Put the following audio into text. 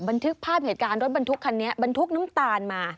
บันทึกภาพเหตุการณ์รถบรรทุกคันนี้บรรทุกน้ำตาลมา